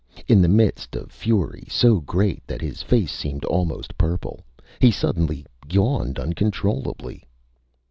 In the midst of fury so great that his face seemed almost purple, he suddenly yawned uncontrollably.